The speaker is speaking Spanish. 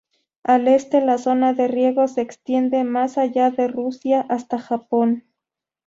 Al este, la zona de riesgo se extiende más allá de Rusia hasta Japón.